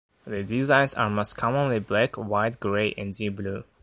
The designs are most commonly black, white, grey and deep blue.